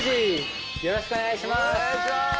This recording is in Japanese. よろしくお願いします。